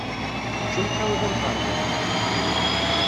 D timṭiwla n terwiḥt.